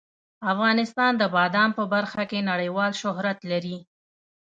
افغانستان د بادام په برخه کې نړیوال شهرت لري.